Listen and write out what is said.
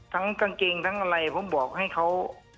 กางเกงทั้งอะไรผมบอกให้เขา